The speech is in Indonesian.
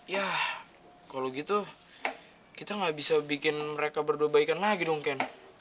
yah kalo gitu kita gak bisa bikin mereka berdua baikan lagi dong ken